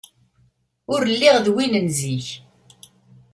Ur lliɣ d win n zik.